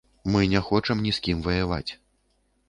Мы не хочам ні з кім ваяваць.